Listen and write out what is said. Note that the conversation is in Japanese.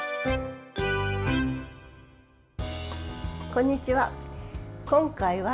こんにちは。